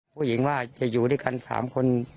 ผู้หญิงว่าจะอยู่ด้วยกัน๓คน